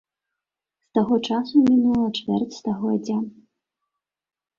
З таго часу мінула чвэрць стагоддзя.